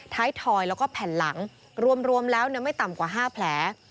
ทอยแล้วก็แผ่นหลังรวมแล้วไม่ต่ำกว่า๕แผล